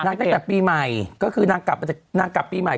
นางกลับปีใหม่ก็คือนางกลับปีใหม่